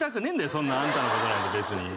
そんなあんたの事なんか別に。